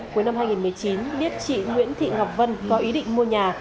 cuối năm hai nghìn một mươi chín biết chị nguyễn thị ngọc vân có ý định mua nhà